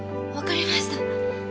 分かりました。